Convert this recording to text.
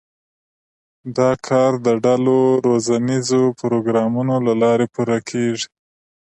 دا کار د ډلو روزنیزو پروګرامونو له لارې پوره کېږي.